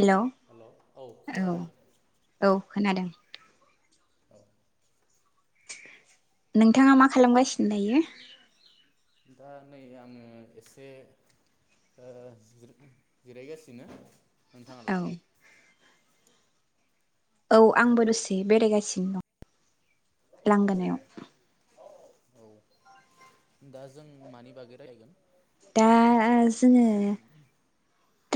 हेल' औ औ खोनादों। औ। [inaudible] नोंथाङा मा खालामगासिनो दायो? दा नै आङो एसे जिरायगासिनो। [inaudible] औ नोंथाङालाय? औ आंबो दसे बेरायगासिनो दं। औ लांगोनायाव। औ दा जों मानि बागै रायज्लायगोन [inaudible] दा जोङो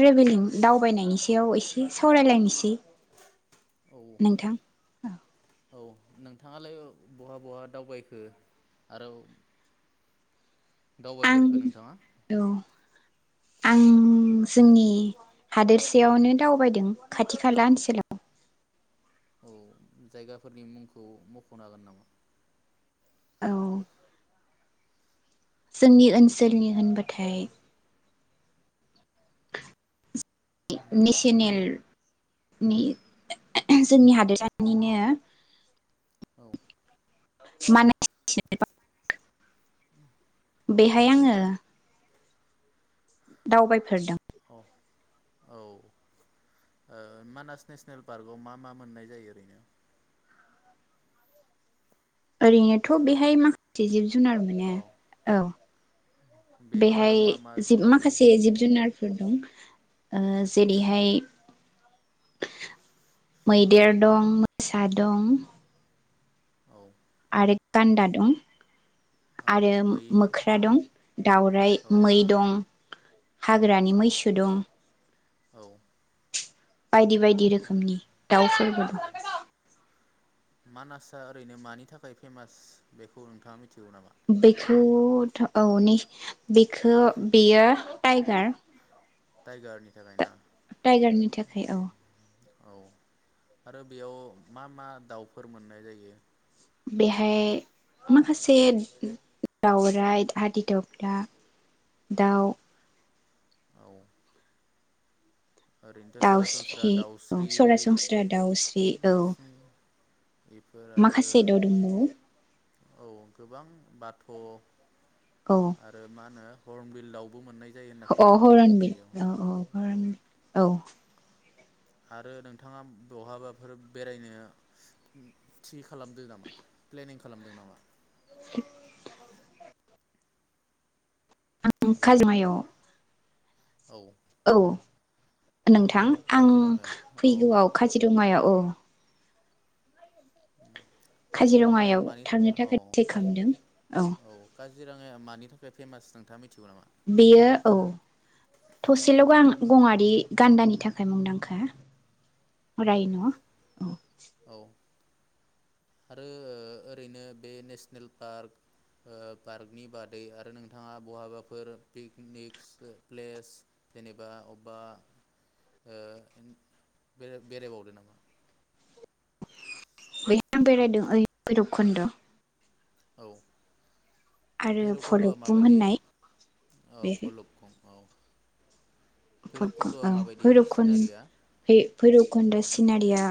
ट्रेभेलिं दावबायनायनि सायाव एसे सावरायलायनोसै। औ नोंथां। औ नोंथाङालाय बहा बहा दावबायखो आरो आं दावबायफेरखो नोंथाङा? औ आं जोंनि हादोरसेयावनो दावबायदों खाथि खाला ओनसोलाव औ जायगाफोरनि मुंखौ मख'नो हागोन नामा? [inaudible] औ। जोंनि ओनसोलनि होनबाथाय नेसनेलनि जोंनि हादोरानिनो। औ। [inaudible] माने [inaudible] औ बेहाय आङो दावबायफेरदों। औ औ मानास नेसनेल पार्कआव मा मा मोननाय जायो ओरैनो ओरैनोथ' हेल' बेहाय औ माखासे जिब जुनार मोनो औ। बेनि बेहाय मादाव मा मा जि जुनार मोनो माखासे जिब जुनार दं जेरैहाय मैदेर दं मोसा दं। औ। [inaudible] आरो गान्दा दं। औ आरो मै मोख्रा दं दाावराइ औ मै दं औ हाग्रानि मैसो दं। औ। बायदि बायदि रोखोमनि दाउफोरबो औ दं। मानासआ ओरैनो मानि थाखाय फेमास बेखौ नोंथाङा मिथि मिथिगौ नामा [inaudible] बे औ बेखौ बेयो टाइगार। टाइगारनि थाखाय ना। टाइगारनि थाखाय औ अ। औ आरो बेयाव मा मा दाउफोर मोननाय जायो? बेहाय माखासे दाउराय, हादि दग्रा दाउ। औ। ओरैनोथ' सरासनस्रा दाउस्रि औ दाउस्रि सरासनस्रा दाउस्रि औ। बेफोर आरो माखासे दाउ दंबावो। औ गोबां बाथ'। औ आरो मा होनो? हर्म बिल दावबो मोननाय। जायो होनना अह खोनादों हरनबिल बेयाव अ अ औ हरन। औ। आरो नोंथाङा बहाबाफोर बेरायनो थि खालामदो नामा प्लेनिं खालामदों नामा? [inaudible] आं हेलौ खाजुमायाव। औ। औ। नोंथां आं काजिरङायाव औ फैगौआव खाजिरङायाव। अ। उम। खाजिरङायाव थांनो थाखाय थि खालामदों अ। जि राङाया मानि थाखाय फेमास नोंथां मि बेयो औ थसेल' गां। गङारि गान्दानि थाखाय मुंदांखा औ रायन' औ। औ। आरो ओ ओरैनो बे नेसनेल पार्क ओ पार्कनि बादै आरो नोंथाङा बहाबाफोर पिकनिकस प्लेस जेनेबा अबेबा ओ बेरा बेरायबावदो नामा? बैहा आं बेरायदों ओइ भैरबखुन्द'। औ। आरो भैरबकुन्द'आ भलुकबुं माबायदि होननाय ओब भलुकखं औ। भुट क भैरबकुन्द'आ अ माबायदि भैरबखुन्द सिनारिया भै भैरबखुन्द सि सिनारिया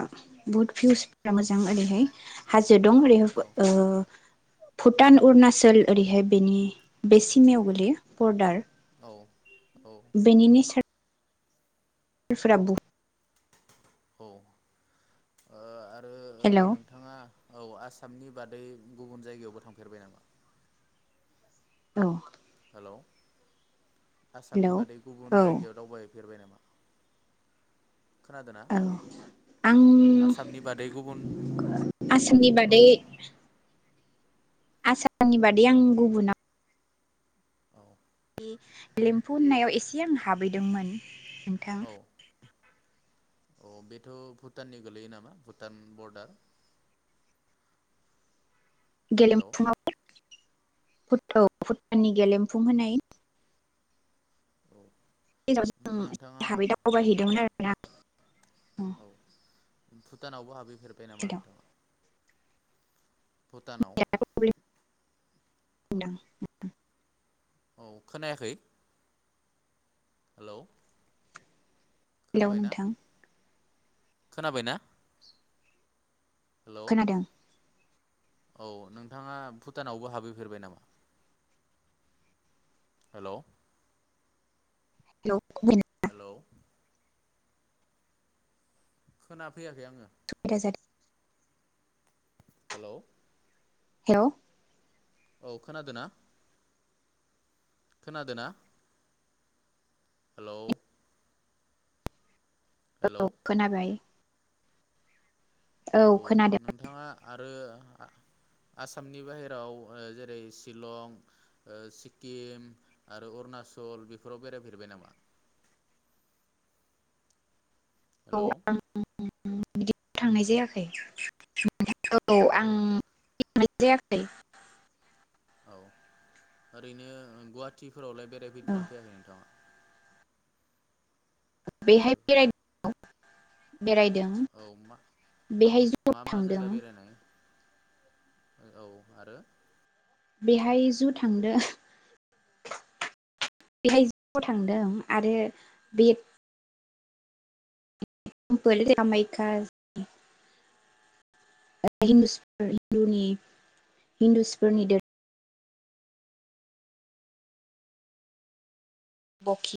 भुट भिउसफोरा मोजां ओरैहाय हा जो दं औ ओरैहोबो ओ भुटान, अरुणाचल ओरैहाय बेनि बे सिमायाव गोलैयो बरडार। अ। बेनि नेसार। ओ फोरा बु औ ओ ओ ओ हेलौ नोंथाङा औ आसामनि बादै गुबुन जायगायावबो थांफेरबाय नामा? औ हेलौ हेलौ आसामनि बादै गुबुन औ जायगायाव औ दावबाय फेरबाय नामा? खोनादोंना आं आसामनि बादै गुबुन दे आसामनि बुं बादै आसामनि बादै आं गुबुुनाव औ लिम्फु होननायाव एसे आं हाबैदोंमोन। नोंथां अ बेथ' भुटाननि गोलैयो नामा भुटान बर्डार हेलौ गेलेम्फुंआव औ भुटाननि गेलेमफुं होनाय औ [unintelligible] नाव जों नोंथाङा हाबै उम दावबायहैदोंमोन आरोना ओम औ भुटानावबो हाबै फेरबाय नामा नोंथां? भुटानाव न [unintelligible] औ खोनायाखै? हेलौ हेलौ खोनाबायना नोंथां खोनाबायना? हेलौ खोनादों औ नोंथाङा भुटानावबो हाबहैफेरबाय नामा? हेलौ [unintelligible] हेलौ खोना फैयाखै आङो। [unintelligible] हेलौ हेलौ औ खोनादों ना? खोनादोना? हेलौ हेलौ औ खोनाबाय औ औ नोंथाङा आरो आसामनि बाहेराव जेरै शिलं सिक्किम आरो अरुनाचल बेफोराव बेरायफेरबाय नामा औ हेलौ आं बिदि थांनाय जायाखै औ आं थांनाय जायाखै औ ओरैनो गुवाहाटि फोरावलाय औ बेरायफैदोंना फैयाखै नोंथाङा बेहाय बे बेरायदों औ मा बेहाय ज मा मा थांदों जायगा बेरायनाय औ आरो बेहाय जु थांदों बेहाय ज थांदों आरो बे तेमफोल कामायखा हिन्धुनि हिन्दुसफोरनि धो बखि